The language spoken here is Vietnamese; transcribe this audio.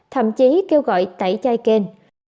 thậm chí kêu gọi tẩy chai kênh